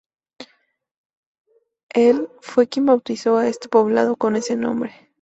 Él fue quien bautizó a este poblado con ese nombre.